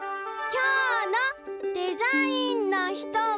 きょうのデザインの人は。